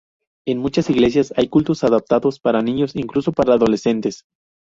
En muchas iglesias, hay cultos adaptados para niños, incluso para adolescentes.